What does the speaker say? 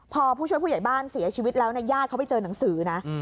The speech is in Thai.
พอผู้ช่วยผู้ใหญ่บ้านเสียชีวิตแล้วเนี่ยญาติเขาไปเจอหนังสือนะ